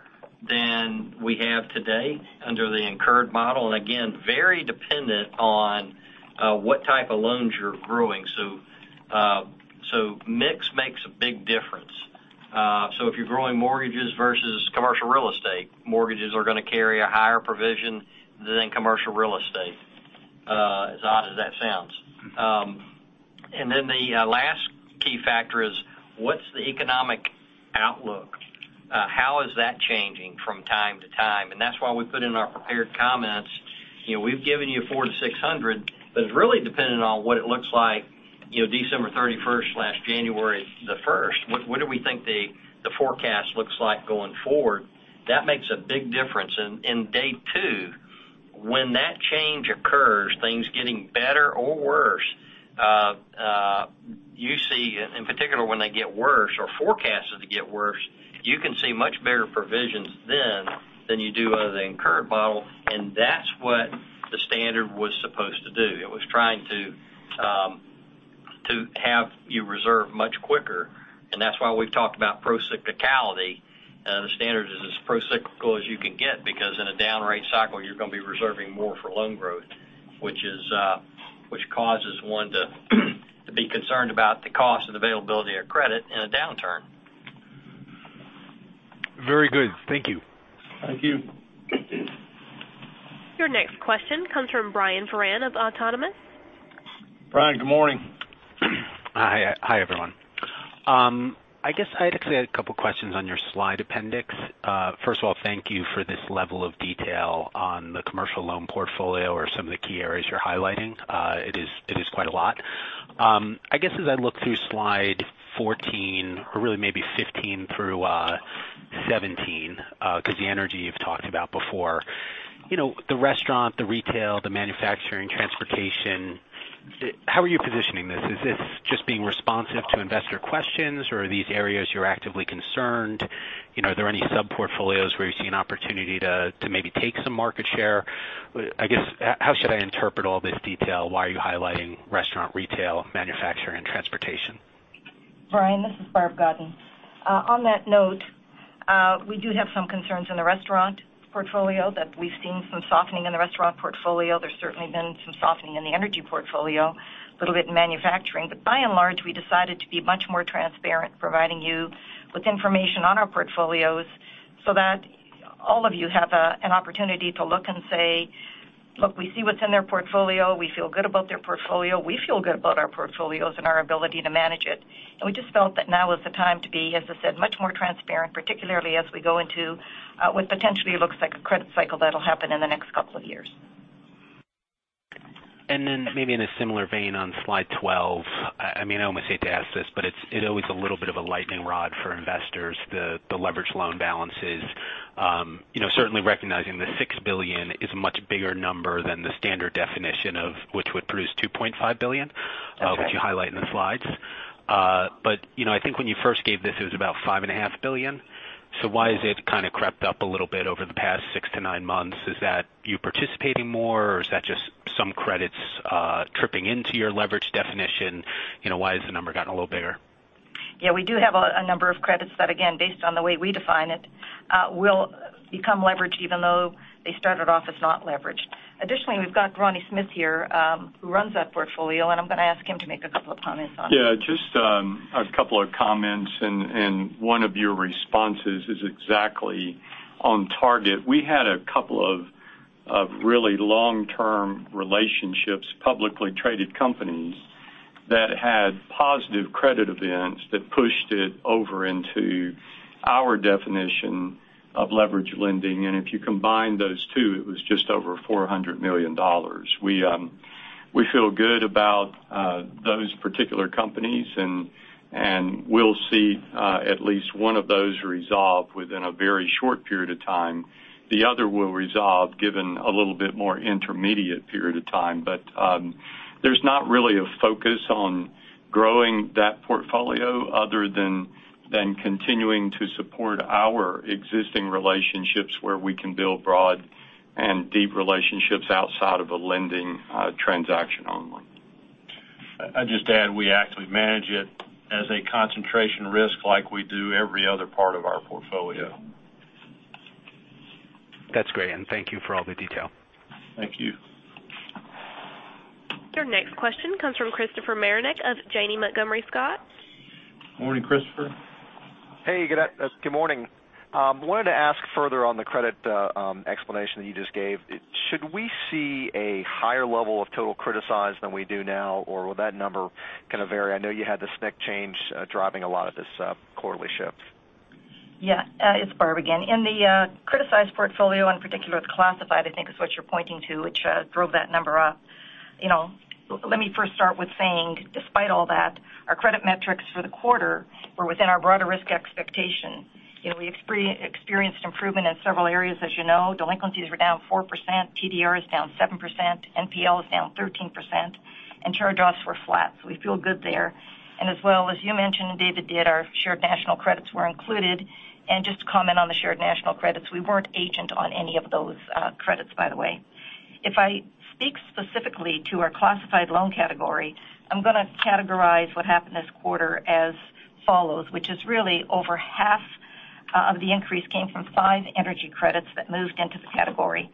than we have today under the incurred model, and again, very dependent on what type of loans you're growing. Mix makes a big difference. If you're growing mortgages versus commercial real estate, mortgages are going to carry a higher provision than commercial real estate, as odd as that sounds. The last key factor is what's the economic outlook? How is that changing from time to time? That's why we put in our prepared comments. We've given you 400 to 600, but it's really dependent on what it looks like December 31st/January the 1st. What do we think the forecast looks like going forward? That makes a big difference. In day 2, when that change occurs, things getting better or worse, you see, in particular, when they get worse or forecasted to get worse, you can see much better provisions then than you do under the incurred model, and that's what the standard was supposed to do. It was trying to have you reserve much quicker, and that's why we've talked about procyclicality. The standard is as procyclical as you can get because in a down rate cycle, you're going to be reserving more for loan growth, which causes one to be concerned about the cost and availability of credit in a downturn. Very good. Thank you. Thank you. Your next question comes from Brian Foran of Autonomous. Brian, good morning. Hi, everyone. I guess I actually had a couple questions on your slide appendix. First of all, thank you for this level of detail on the commercial loan portfolio or some of the key areas you're highlighting. It is quite a lot. I guess as I look through slide 14 or really maybe 15 through 17, because the energy you've talked about before, the restaurant, the retail, the manufacturing, transportation, how are you positioning this? Is this just being responsive to investor questions, or are these areas you're actively concerned? Are there any sub-portfolios where you see an opportunity to maybe take some market share? I guess, how should I interpret all this detail? Why are you highlighting restaurant, retail, manufacturing, and transportation? Brian, this is Barb Godin. On that note, we do have some concerns in the restaurant portfolio that we've seen some softening in the restaurant portfolio. There's certainly been some softening in the energy portfolio, a little bit in manufacturing. By and large, we decided to be much more transparent, providing you with information on our portfolios so that all of you have an opportunity to look and say, "Look, we see what's in their portfolio. We feel good about their portfolio." We feel good about our portfolios and our ability to manage it. We just felt that now is the time to be, as I said, much more transparent, particularly as we go into what potentially looks like a credit cycle that'll happen in the next couple of years. Maybe in a similar vein on slide 12, I almost hate to ask this, but it is always a little bit of a lightning rod for investors, the leverage loan balances. Certainly recognizing the $6 billion is a much bigger number than the standard definition of which would produce $2.5 billion. Okay which you highlight in the slides. I think when you first gave this, it was about $5.5 billion. Why has it kind of crept up a little bit over the past six to nine months? Is that you participating more, or is that just some credits tripping into your leverage definition? Why has the number gotten a little bigger? Yeah, we do have a number of credits that, again, based on the way we define it, will become leverage even though they started off as not leveraged. We've got Ronnie Smith here, who runs that portfolio, and I'm going to ask him to make a couple of comments on it. Yeah, just a couple of comments, and one of your responses is exactly on target. We had a couple of really long-term relationships, publicly traded companies, that had positive credit events that pushed it over into our definition of leverage lending. If you combine those two, it was just over $400 million. We feel good about those particular companies, and we'll see at least one of those resolve within a very short period of time. The other will resolve given a little bit more intermediate period of time. There's not really a focus on growing that portfolio other than continuing to support our existing relationships where we can build broad and deep relationships outside of a lending transaction only. I'd just add, we actively manage it as a concentration risk like we do every other part of our portfolio. That's great, and thank you for all the detail. Thank you. Your next question comes from Christopher Marinac of Janney Montgomery Scott. Morning, Christopher. Hey. Good morning. Wanted to ask further on the credit explanation that you just gave. Should we see a higher level of total criticized than we do now, or will that number kind of vary? I know you had the SNC change driving a lot of this quarterly shift. It's Barb again. In the criticized portfolio, in particular, the classified, I think, is what you're pointing to, which drove that number up. Let me first start with saying, despite all that, our credit metrics for the quarter were within our broader risk expectation. We experienced improvement in several areas, as you know. Delinquencies were down 4%, TDR is down 7%, NPL is down 13%, and charge-offs were flat. We feel good there. As well, as you mentioned, and David did, our Shared National Credits were included. Just to comment on the Shared National Credits, we weren't agent on any of those credits, by the way. If I speak specifically to our classified loan category, I'm going to categorize what happened this quarter as follows, which is really over half of the increase came from five energy credits that moved into the category.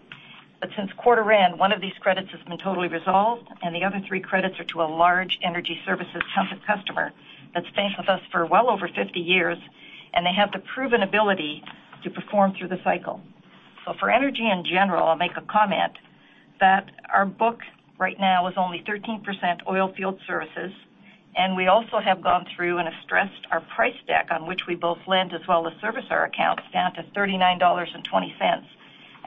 Since quarter end, one of these credits has been totally resolved, and the other three credits are to a large energy services customer that's been with us for well over 50 years, and they have the proven ability to perform through the cycle. For energy in general, I'll make a comment that our book right now is only 13% oil field services, and we also have gone through and have stressed our price deck on which we both lend as well as service our accounts down to $39.20.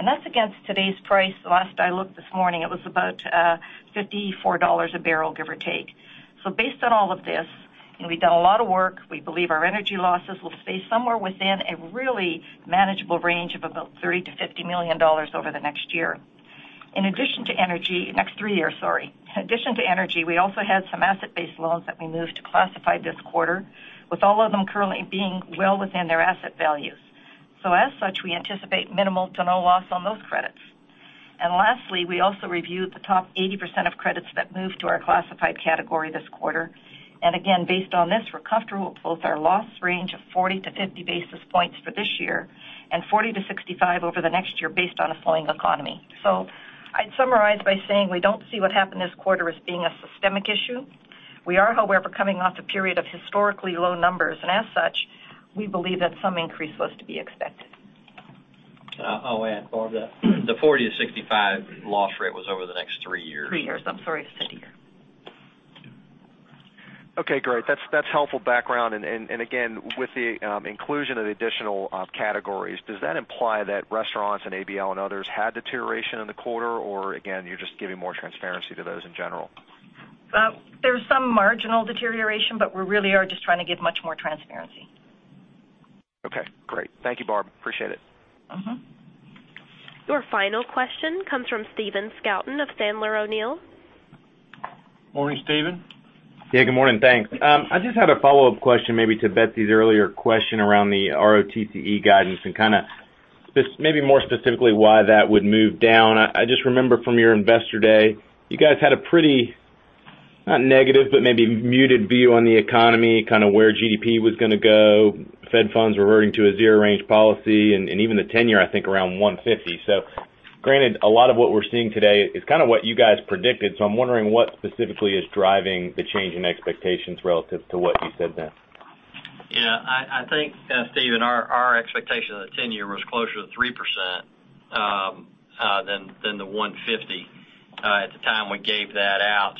That's against today's price. The last I looked this morning, it was about $54 a barrel, give or take. Based on all of this, and we've done a lot of work, we believe our energy losses will stay somewhere within a really manageable range of about $30 million-$50 million over the next year. In addition to energy, next three years, sorry. In addition to energy, we also had some asset-based loans that we moved to classified this quarter, with all of them currently being well within their asset values. As such, we anticipate minimal to no loss on those credits. Lastly, we also reviewed the top 80% of credits that moved to our classified category this quarter. Again, based on this, we're comfortable with both our loss range of 40-50 basis points for this year and 40-65 over the next year based on a slowing economy. I'd summarize by saying we don't see what happened this quarter as being a systemic issue. We are, however, coming off a period of historically low numbers, and as such, we believe that some increase was to be expected. I'll add, Barb, that the 40 to 65 loss rate was over the next three years. Three years. I'm sorry, three years. Okay, great. That's helpful background. Again, with the inclusion of the additional categories, does that imply that restaurants and ABL and others had deterioration in the quarter? Again, you're just giving more transparency to those in general? There's some marginal deterioration, but we really are just trying to give much more transparency. Okay, great. Thank you, Barb. Appreciate it. Your final question comes from Stephen Scouten of Sandler O'Neill. Morning, Stephen. Yeah, good morning. Thanks. I just had a follow-up question maybe to Betsy's earlier question around the ROTCE guidance and kind of maybe more specifically why that would move down. I just remember from your Investor Day, you guys had a pretty, not negative, but maybe muted view on the economy, kind of where GDP was going to go. Fed funds reverting to a zero range policy and even the 10-year, I think, around 150. Granted, a lot of what we're seeing today is kind of what you guys predicted. I'm wondering what specifically is driving the change in expectations relative to what you said then. Yeah, I think, Stephen, our expectation of the tenor was closer to 3% than the 150 at the time we gave that out.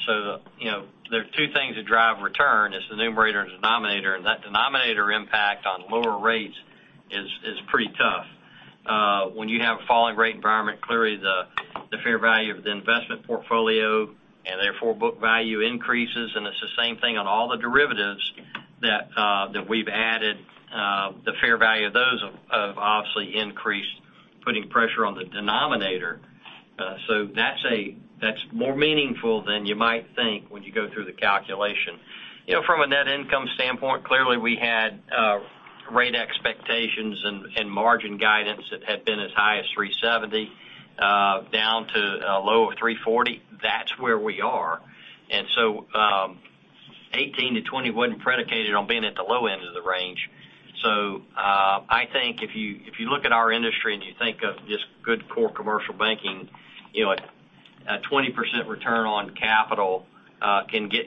There's two things that drive return is the numerator and denominator, that denominator impact on lower rates is pretty tough. When you have a falling rate environment, clearly the fair value of the investment portfolio, therefore book value increases, it's the same thing on all the derivatives that we've added. The fair value of those have obviously increased, putting pressure on the denominator. That's more meaningful than you might think when you go through the calculation. From a net income standpoint, clearly we had rate expectations and margin guidance that had been as high as 370 down to a low of 340. That's where we are. 18-20 wasn't predicated on being at the low end of the range. I think if you look at our industry and you think of just good core commercial banking, a 20% return on capital,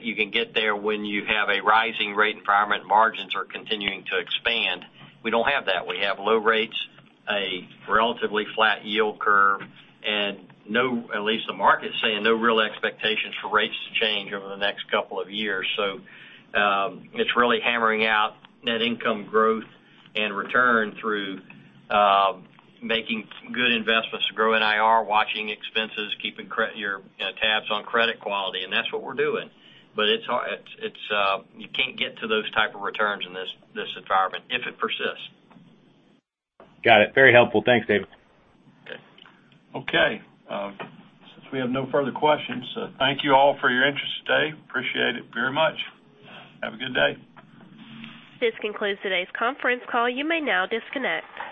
you can get there when you have a rising rate environment, margins are continuing to expand. We don't have that. We have low rates, a relatively flat yield curve, and at least the market's saying no real expectations for rates to change over the next couple of years. It's really hammering out net income growth and return through making good investments to grow NIR, watching expenses, keeping tabs on credit quality, and that's what we're doing. You can't get to those type of returns in this environment if it persists. Got it. Very helpful. Thanks, David. Okay. Okay. Since we have no further questions, thank you all for your interest today. Appreciate it very much. Have a good day. This concludes today's conference call. You may now disconnect.